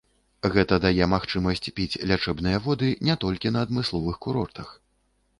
Гэта дае магчымасць піць лячэбныя воды не толькі на адмысловых курортах.